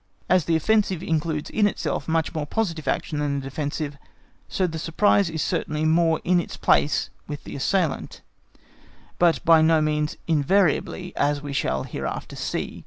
As the offensive includes in itself much more positive action than the defensive, so the surprise is certainly more in its place with the assailant, but by no means invariably, as we shall hereafter see.